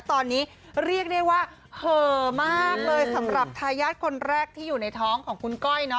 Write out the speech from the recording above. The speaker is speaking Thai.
ตอนนี้เรียกได้ว่าเหอมากเลยสำหรับทายาทคนแรกที่อยู่ในท้องของคุณก้อย